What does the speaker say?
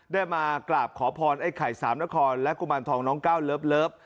ได้มากราบขอพรไอ้ไข่สามนครและกุมารทองน้องก้าวเลิฟ